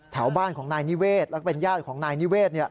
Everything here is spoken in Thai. บ้านของนายนิเวศแล้วก็เป็นญาติของนายนิเวศ